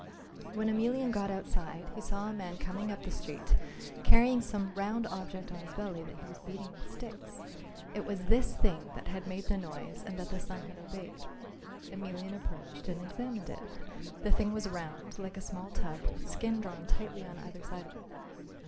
When Emelian got outside he saw a man coming up the street carrying some round object on his belly that he was beating with sticks. It was this thing that had made the noise and that the son had obeyed. Emelian approached and examined it. The thing was round like a small tub with skin drawn tightly on either side of it.